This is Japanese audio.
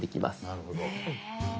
なるほど。